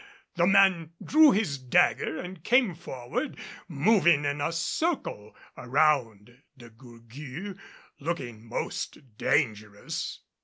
The man drew his dagger and came forward, moving in a circle around De Gourgues, looking most dangerous.